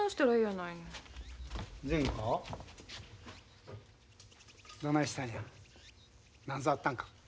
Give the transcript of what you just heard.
なんぞあったんか？